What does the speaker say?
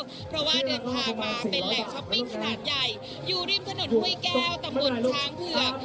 เพราะว่าเดินทางมาเป็นแหล่งช้อปปิ้งขนาดใหญ่อยู่ริมถนนห้วยแก้วตำบลช้างเผือก